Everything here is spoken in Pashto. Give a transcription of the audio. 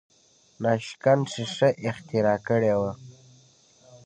ناشکن ښیښه اختراع کړې وه.